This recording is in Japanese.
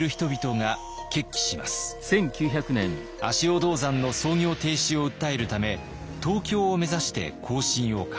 足尾銅山の操業停止を訴えるため東京を目指して行進を開始。